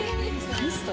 ミスト？